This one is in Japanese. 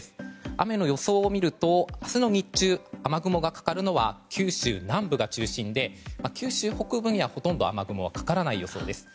雨の予想を見ると明日の日中、雨雲がかかるのは九州南部が中心で九州北部にはほとんど雨雲はかからない予想です。